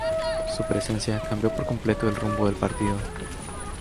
Su presencia cambió por completo el rumbo del partido.